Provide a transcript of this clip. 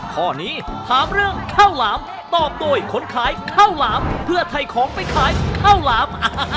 ข้อนี้ถามเรื่องข้าวหลามตอบโดยคนขายข้าวหลามเพื่อไทยของไปขายข้าวหลาม